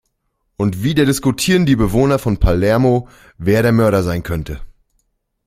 Und wieder diskutieren die Bewohner von Palermo, wer der Mörder sein könnte.